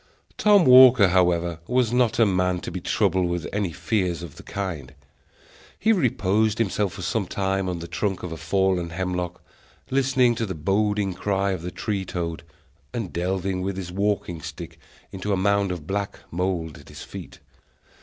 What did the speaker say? Tom Walker, however, was not a man to be troubled with any fears of the kind. He reposed himself for some time on the trunk of a fallen hemlock, listening to the boding cry of the tree toad, and delving with his walking staff into a mound of black mould at his feet.